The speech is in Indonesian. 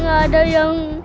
gak ada yang